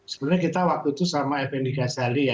sebenarnya kita waktu itu sama fn di ghazali ya